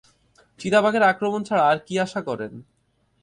চিতাবাঘের আক্রমণ ছাড়া আর কী আশা করেন?